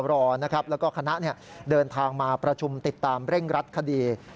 แล้วก็คณะเดินทางมาประชุมติดตามเร่งรัดคดี